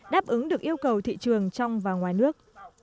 đáp ứng được yêu cầu thị trường trong và ngoài nước